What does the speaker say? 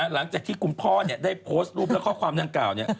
หลังจากที่คุณพ่อได้โพสต์รูปและข้อความดังกล่าว